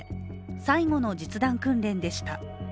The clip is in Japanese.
最後の実弾訓練でした。